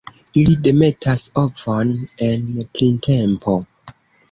Ili demetas ovon en printempo.